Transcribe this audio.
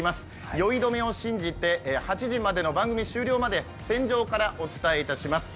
酔い止めを信じて８時までの番組終了まで船上からお伝えします。